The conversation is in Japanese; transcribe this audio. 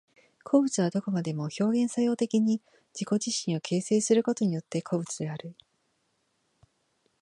個物はどこまでも表現作用的に自己自身を形成することによって個物である。